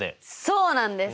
そうなんです！